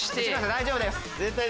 大丈夫です。